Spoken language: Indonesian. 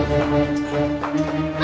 kamu itu ga berhak atas keisha